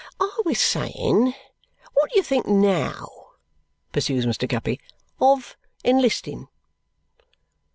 "I was saying, what do you think NOW," pursues Mr. Guppy, "of enlisting?"